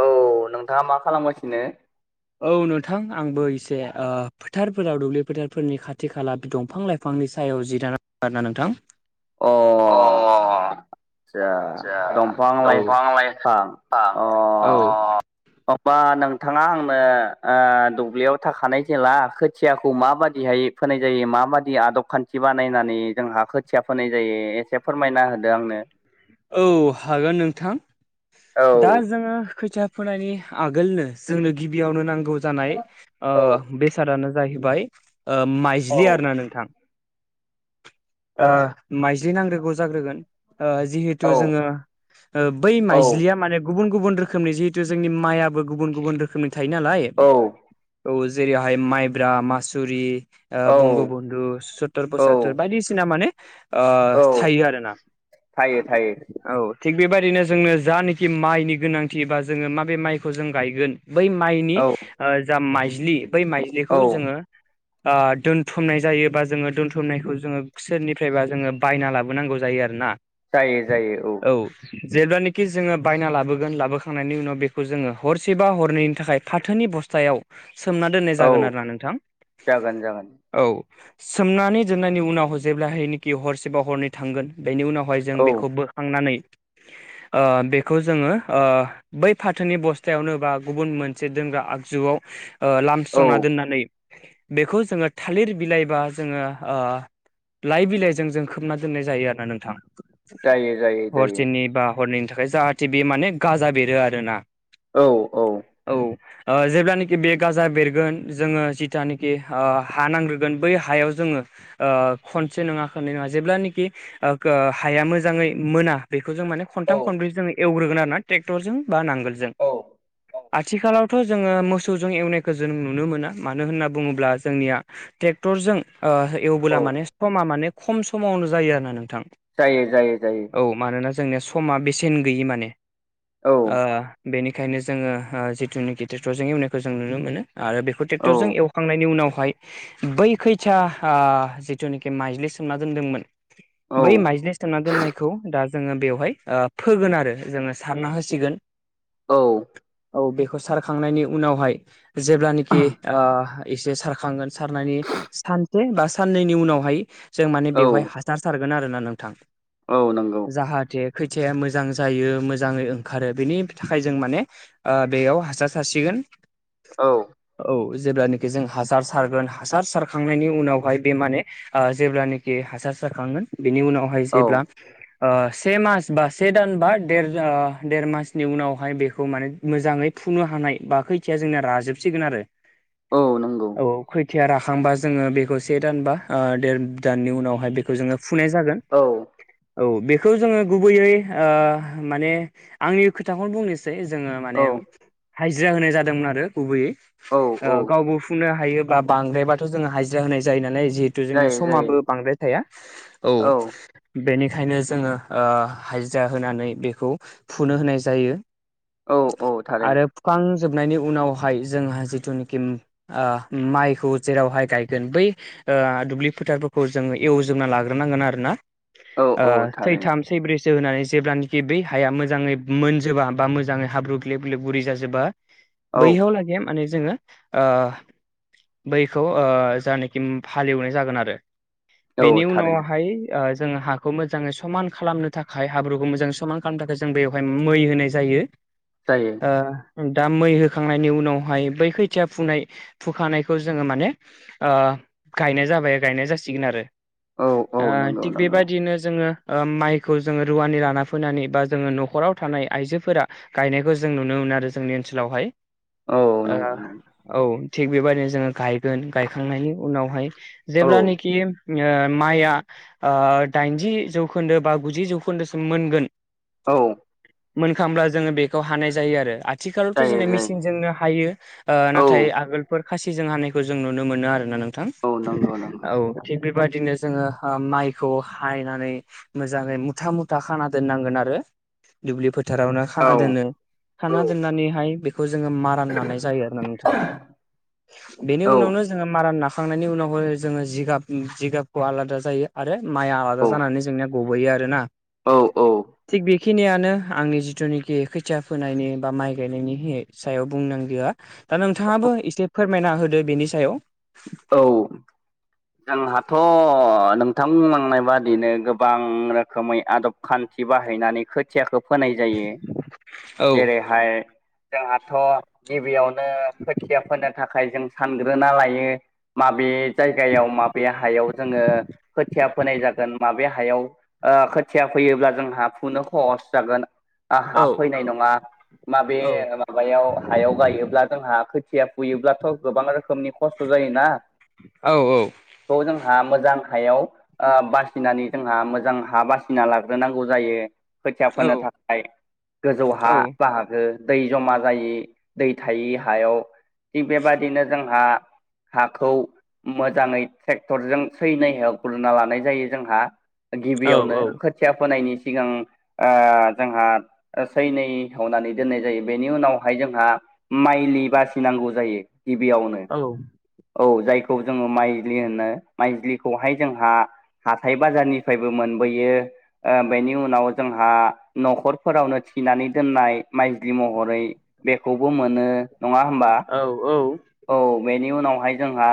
औ नोंथाङा मा खालामगासिनो औ नोंथां आंबो एसे फोथारफोराव दुब्लि फोथारफोरनि खाथि खाला दंफां लाइफां बिफांनि सायाव जिदा नाम्बार ना नोंथां अ अ आसा दंफां लायां अ मबा नोंथाङा आंनो दुब्लियाव थाखानाय जेला खोथियाखौ माबादिहाय फोनाय जायो माबाददि आदब खान्थि बानायनानै जोंहाा खोथिया फोनाय जायो एसे फोरमायना होदो आंनो औ हागोन नोंथां औ दा जोङो खैथया फोनायनि आगोलनो जोंनो गिबियावनो नांगौ जानाय औ बेसादानो जाहैबाय। औ माइज्लि आरोना नोंथां ओ माइज्लि नांग्रोगौ जाग्रोगोन ओ जि थु औ जोङो ओ बै औ माइज्लिया माने गुबुन गुबुन रोखोमनि जिहेतु जोंनि माइआो गुबुन गुबुन रोखोमनि थायो नालाय। औ औ जेरैहाय माइब्रा मासुरि औ बंग बन्धु र औ फसर बायदिसिना माने औ थायो आरो ना थायो थायो। औ थिग बेबायदिनो जोंनो जानखि माइनि गोनांथिबा जोङो माबे माइखौ जों गायगोन बै माइनि औ ओ जा माइज्लि बै औ माइज्लिखौ जोङो दोनथुमनाय जायोबा जोङो दोनथुमनायखौ जोङो सोरनिफ्रायबा जोङो बायना लाबोनांगौ जायो आर ना जायो जायो औ औ जेब्लानोाखि जोङो बायना लाबोगोन लाबोखांनायनि उनाव बेखौ जोङो हरसेबा हरनैनि थाखाय फाथोनि बस्थायाव सोमना दोननाय औ जागोन आरो ना नोंथां जागोन जागोन औ सोमनानै जोबनायनि उनाव जेबब्लाहायखि हरसेबा हरनै थांगोन बेनि उनावहाय जों औ बेखौ बोखांनानै बेखौ जोङो बै फाथोनि बस्थायावनो बा गुबुन मोनसे दोनग्रा आगजुआव औ लामस्रावना दोननानै बेखौ जोङो थालिर बिलाइबा जोङो लाइ बिलाइजों जों खोबना दोननाय जायो आरोना नोंथां जायो जायो जायो हरसेनि बा हरननि थाखाय जाहाथे बे माने गाजा बेरो आरोना औ औ औ ओ जेब्लानाखि बे गाजा बेरगोन जोङो जिथानखि ओ हा नांग्रोगोन बै हायाव जोङो ओ खनसे नङा खननै नङा जेब्लानोखि ओ खो हाया मोजाङै मोना बेखौ जों माने औ खनथाम खनब्रै जोङो एवग्रोगोन आर ना ट्रेक्टरजों बा नांगोलजों औ आथिखालाव थ' जोङो मोसौजों एवनायखौ जों नुनो मोना मानो होनना बुङोब्ला जोंनिया ट्रे टरजों ओ औ एवबोला माने समा माने खम समावनो जायो आरोना नोंथां जायो जायो जायो औ मानोना जोंनिया समा बेसेन गैयि माने औ ओ बेनि ओंखायनो जोङो ओ जिथुनाखि ट्रेक्टरजों एवनायखौ जों नुनो मोनो आरो बेखौ औ ट्रेक्टरजों एवखांनायनि उनावहाय बै खैथा ओ जिथुनाखि माइज्लि सोमना दोनदोंमोन औ बै माइज्लि सोमना दोननायखौ दा जोङो बेवहाय फोगोन आरो जोङो सारना होसिगोन औ औ बेखौ सारखांनायनि उनावहाय जेब्लानाखि ओ एसे सारखांगोन सारनानै सानसे बा साननैनि उनावहाय जों माने औ बेवहाय सारगोन आरोना नोंथां औ नंगौ जाहाथे खैथाया मोजां जायो मोजाङै ओंखारो बेनि थाखाय जों माने ओ बेयाव हासार सारसिगोन औ औ जेब्लानो जों हासार सारगोन हासार सारखांनायनि उनावहाय बे माने ओ जेब्लानाखि हासार जाखांगोन बिनि उनावहाय औ जेब्ला ओ से मास बा से दान बा देर ओ देर मासनि उनावहाय बेखौ माने मोजाङै फुनो हानाय बा खैथिया जोंना राजोबसिगोन आरो औ नंगौ औ खैथिया राखांबा जोङो बेखौ से दानबा ओ देर दाननि उनावहाय बेखौ जोङो फुनाय जागोन औ औ बेखौ जोङो गुबैयै ओ माने आंनि खोथाखौनो बुंनोसै जोंङो औ माने हाजिरा होनाय जादोंमोन आरो गुबैयै औ ओ औ गावबो फुनो हायोबा बांद्रायबाथ' जोङो हाजिरा होनाय जायो नालाय जि जोंनिया जायो जायो समाबो बांद्राय थाया औ बेनिखायनो जोङो ओ हाजिरा होनानै बेखौ फुनो होनाय जायो औ औ थारैनो आरो फुखां जोबनायनि उनावहाय जोंहा जिथुनिखि ओ माइखौ जेरावहाय गायगोन बै ओ दुब्लि फोथारफोरखौ जोङो एवजोबना लाग्रोनांगोन आर ना औ ओ औ थारैनो सैथाम सैब्रैसो होनानै जेब्लानोखि बै हाया मोजाङै मोनजोबा बा मोजाङै हाब्रु ग्लेब बुरि जाजोबा औ बैह लागै माने जोङो ओ बैखौ ओ जानखि हालेवनाय जागोन आरो औ बेनि थारैनो उनावहाय ओ जोङो हाखौ मोजाङै समान खालामनो थाखाय हाब्रुखौ मोजाङै समान खालामनो थाखाय जों बेवहाय मै होनाय जायो जायो। ओ दा मै होखांनायनि उनावहाय बै खैथिया फुनाय फुखानायखौ जोङो माने गायनाय जाबाय गायनाय जासिगोन आरो। औ औ नंगौ नंगौ बिदिनो जोङो माइखौ जोङो रुवानि लाना फैनानै बा जोङो न'खराव थानाय आइजोफोरा गायनायखौ जों नुनो मोनो आरो जोंनि ओनसोलावहाय औ ओ नंगौ नंगौ औ थिग बेबादिनो जोङो गायगोन गायखांनायनि उनावहाय औ जेब्लानाखि ओ माइआ ओ दाइनजि जौखोन्दो बा गुजि जौखोन्दोसिम मोनगोन औ मोनखांब्ला जोङो बेखौ हानाय जायो आरो आथिखालावथ' जायो जोंना जायो मेचनजोंनो हायो। औ नाथाय आगोल फोर खासिजों हानायखौ जों नुनो मोनो आरोना नोंथां। औ नंगौ नंगौ। औ थिग बेबायदिनो जोङो माइ बेखौ हायनानै मोजाङै मुथा मुथा खाना दोननांगोन आरो दुब्लि फोथारावनो खाना औ दोनो औ खाना दोननानैहाय बेखौ जोङो मा राननानै जायो आरोना। नोंथाङा बेनि उनावनो जोङो मारान नाखांनायनि उनावहाय जोङो जिगाब जिगाबखौ आलादा जायो। आरो माइआ औ आलादा जानानै जोंनिया गबोैयो आरोना। औ औ। थिग बेखिनियानो आंनि जिथुनाखि खैथिया फोनायनि बा माइ गायनायनि सायाव बुंनांगौआ दा नोंथाङाबो एसे फोरमायना होदो बेनि सायाव। औ। जोंहाथ' नोंथांनांनाय बादिनो गोबां रोखोमै आदब खान्थि बाहायनानै खोथियाखौ फोनाय जायो। औ जेरैहाय जोंहाथ' गिबियावनो खोथिया फोनो थाखाय जों सानग्रोना लायो। माबे जायगायाव माबे हायाव जोङो खोथिया फोनाय जागोन माबे हायाव खोथिया फैयोब्ला जोंहा फुनो खहस जागोन। हा औ फैनाय नङा, माबे औ माबायाव हायाव गायोब्ला जोंहा खोथिया फुयोब्लाथ' गोबां रोखोमनि खस्थ' जायोना। औ औ। खौ जोंहा मोजां हायाव बासिनानै जोंहा मोजां हा बासिना लाग्रोनांगौ जायो खोथिया औ फोनो थाखाय। गोजौ हा औ बाहागो दै जमा जायि, दै थायि हायाव। थिग बेबायदिनो जोंहा हाखौ मोजाङै ट्रेक्टरजों सैनाय गुरना लानाय जायो। जोंहा औ औ गिबियावनो खोथिया फोनायनि सिगां जोंहा सैनै होननानै दोननाय जायो। बेनि उनावहाय जोंहा माइलि बासिनांगौ जायो। गिबियावनो औ। औ जायखौ जोङो माइज्लि होनो माइजलिखौहाय जोंहा हाथाय बाजारनिफ्रायबो मोनबोयो। बेनि उनाव जोंहा न'खरफोरावनो फिनानै दोननाय माइज्लि महरै बेखौबो मोनो। नङा होमबा औ औ बेनि उनावहाय जोंहा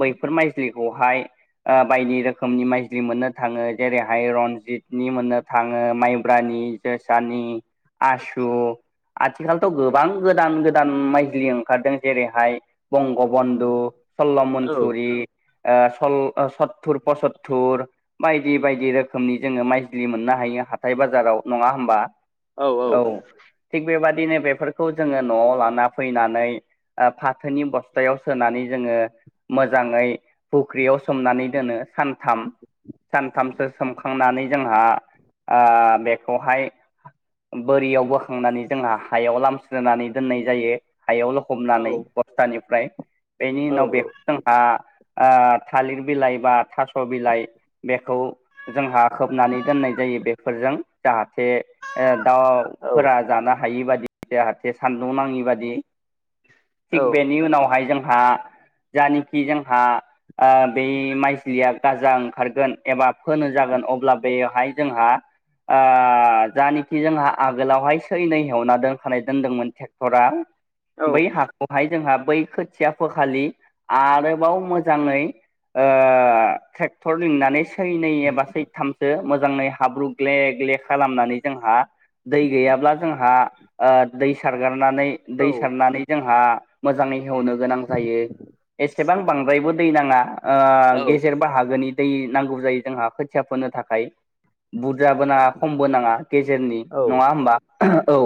बैफोर माइज्लिखौहाय बायदि रोखोमनि माइस्लि मोननो थाङो। जेरैहाय रनजितनि मोननो थाङो माइब्रानि जोसानि आसु आथिखालथ' गोबां गोदान गोदान माइलि ओंखारदों जेरैहाय बंगबन्धु, सल्ल'मनसुरि ओ सल सत्तुर, पसत्तुर बायदि बायदि रोखोमनि जोङो माइजलि मोननो हायो हाथाय बाजाराव नङा होमबा। औ थिग बेबादिनो बेफोरखौ जोङो न'आव लाना फैनानै फाथोनि बस्थायाव सोनानै जोङो मोजाङै फुख्रियाव सोमनानै दोनो सानथाम सानथामसो सोमखांनानै जोंहा बेखौहाय बोरियाव बोखांनानै जोंहा हायाव लामस्रोनानै दोननाय जायो। हायाव लखबनानै। स्थानिफ्राय बेनि उनाव बे जोंहा ओ थालिर बिलाइ बा थास' बिलाइ बेखौ जोंहा खोबनानै दोननाय जायो बेफोरजों जाहाथे ओ दाउफोरा जानो हायि बादि जाहाथे सान्दुं नाङि बादि थिग बेनि उनावहाय जोंहा जानखि जोंहा ओ बे माइ गाजा ओंखारगोन एबा फोनो जागोन अब्ला बेवहाय जोंहा आ जानि जोंहा आगोलावहाय सै नै हेवना दोनखानाय दोनदोंमोन ट्रेक्टरा बै हाखौहाय जोंहा बै खोथिया फोखालि आरोबाव मोजाङै ओ ट्रेक्टर लिंनानै सैनै एबा सैथामसो मोजाङै हाब्रु ग्ले ग्ले खालामनानै जोंहा दै गैयाब्ला जोंहा ओ दै सारगारनानै दै सारनानै जोंहा मोजाङै हेवनो गोनां जायो। एसेबां बांद्रायबो दै नाङा ओ गेजेर बाहागोनि दै नांगौ जायो जोंहा खोथिया फोनो थाखाय। बुरजाबो नाङा खमबो नाङा। गेजेरनि नङा होमबा? औ।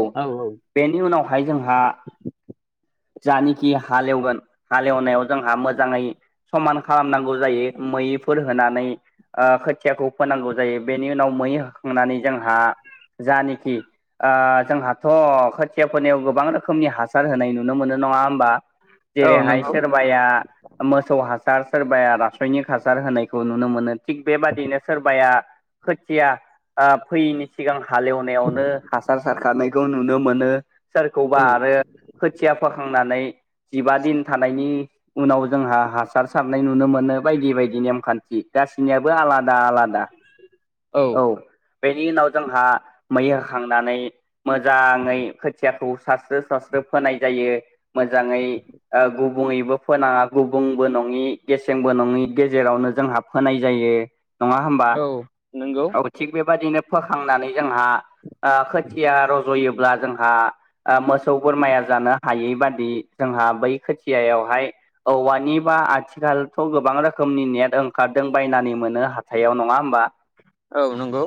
बेनि उनावहाय जोंहा जानिखि हालेवगोन हालेवनायाव जोंहा मोजाङै समान खालामनांगौ जायो मैैफोर होनानै। ओ खोथियाखौ फोनांगौ जायो बेनि उनाव मै होखांनानै जोंहा जानिखि ओ जोंहाथ' खोथियाफोरनियाव गोबां रोखोमनि हासार होनाय नुनो मोनो नङा होमबा? जेरैहाय सोरबा या मोसौ हासार सोरबाया रासायनिक हासार होनायखौ नुनो मोनो। थिग बेबादिनो सोरबाया खोथिया फैयिनि सिगां हालेवनायावनो हासार सारखानायखौ नुनो मोनो। औ सोरखौबा आरो खोथिया फोखांनानै जिबा दिन थानायनि उनाव जोंहा हासार सारनाय नुनो मोनो। बायदि बायदि नेमखान्थि गासिनियाबो आलादा आलादा। औ बेनि उनाव जोंहा मै होखांनानै मोजाङै खोथियाखौ सास्रो सस्रो फोनाय जायो। मोजाङै ओ गु बुङैबो फोनाङा गुबुंबो नङि गेसेंबो नङि गेजेरावनो जोंहा फोनाय जायो। नङा होमबा? औ नंगौ औ थिग बेबादिनो फोखांनानै जोंहा ओ खोथिया रज'योब्ला जोंहा मोसौ बोरमाया जानो हायै बादि जोंहा बै खोथियायावहाय औवानिबा आथिखालथ' गोबां रोखोमनि नेट ओंखारदों बायनानै मोनो हाथायाव नङा होमबा? औ नंगौ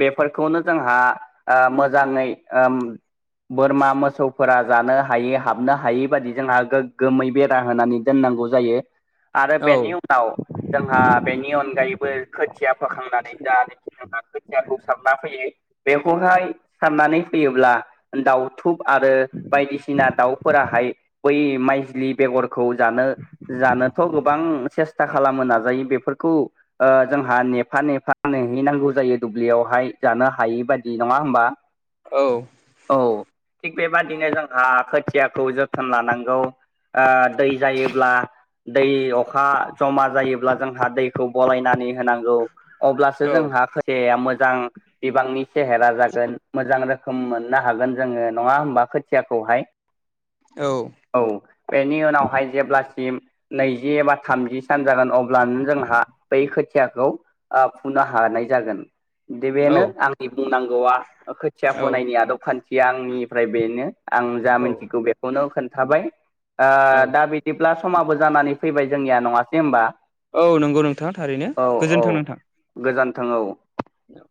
बेफोरखौनो जोंहा ओ मोजाङै ओ बोरमा मोसौफोरा जानो हायै हाबनो हायै बादि जोंहा गोग्गोमै बेरा होनानै दोननांगौ जायो आरो औ बेनि औ उ जोंहा बेनि अनगायैबो खोथिया फोखांनानै जानोखि जोंहा सारना फैयो बेखौहाय सारनानै फैयोब्ला दाउ दाउथु आरो बायदिसिना दाउफोराहाय बै माइजलि बेगर जानो जानोथ' गोबां सेस्था खालामनो नाजायो बेफोरखौ ओ जोंहा नेफा नेफा नेहैनांगौ जायो। दुब्लियावहाय जानो हायै बायदि नङा होमबा? औ औ थिग बेबादिनो जोंहा खोथियाखौ जोथोन लानांगौ ओ दै जायोब्ला दै अखा जमा जायोब्ला जोंहा दैखौ बायनानै होनांगौ। अब्लासो जोंहा खसेाया मोजां बिबांनि सेहेरा जागोन मोजां रोखोम मोननो हागोन जोङो नङा होमबा खोथियाखौहाय औ। औ बेनि उनावहाय जेब्लासिम नैजि एबा थामजि सान जागोन अब्लानो जोंहा बै खोथियाखौ फुनो हानाय जागोन। दा औ बेनो आंनि बुंनांगौआ खोथिया औ फोनायनि आदब खान्थिया आंनिफ्राय बेनो। आं जा मिथिगौ बेखौनो खोन्थाबाय दा जेब्ला समाबो जानानै फैबाय जोंनिया नङासै होमबा? औ नंगौ नोंथाङा थारैनो गोजोन्थों नोंथां। गोजानथों औ। औ।